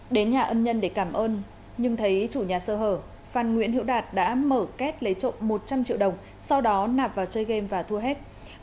đến nhà ân nhân để cảm ơn nhưng thấy chủ nhà sơ hở phan nguyễn hiệu đạt đã mở két lấy trộm một trăm linh triệu đồng sau đó nạp vào chơi game và thua hết